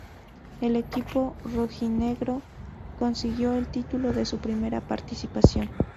El equipo rojinegro consiguió el título en su primera participación.